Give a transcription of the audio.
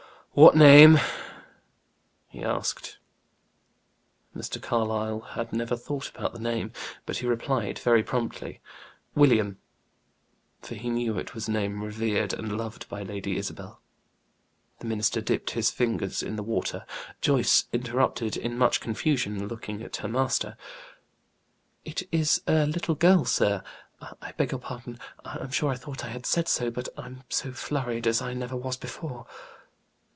"What name?" he asked. Mr. Carlyle had never thought about the name. But he replied, pretty promptly. "William;" for he knew it was a name revered and loved by Lady Isabel. The minister dipped his fingers in the water. Joyce interrupted in much confusion, looking at her master. "It is a little girl, sir. I beg your pardon, I'm sure I thought I had said so; but I'm so flurried as I never was before."